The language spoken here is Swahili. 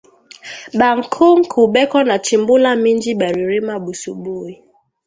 Ba nkuku beko na chimbula minji bari rima busubui